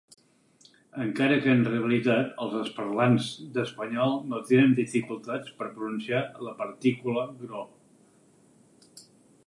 Encara que en realitat, els parlants d'espanyol no tenen dificultats per pronunciar la partícula gro.